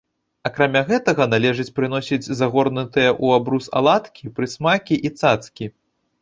Акрамя гэтага, належыць прыносіць загорнутыя ў абрус аладкі, прысмакі і цацкі.